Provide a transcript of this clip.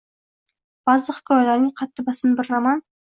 Ba’zi hikoyalarining qaddi-bastini bir roman.